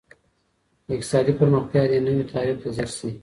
د اقتصادي پرمختیا دې نوي تعریف ته ځیر شئ.